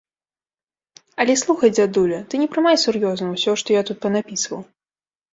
Але слухай, дзядуля, ты не прымай сур'ёзна ўсё, што я тут панапісваў.